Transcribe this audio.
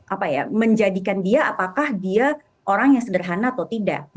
apa ya menjadikan dia apakah dia orang yang sederhana atau tidak